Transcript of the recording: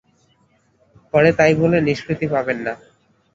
পরে তাই বলে নিষ্কৃতি পাবেন না।